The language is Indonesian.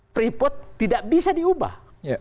prevote tidak bisa diubah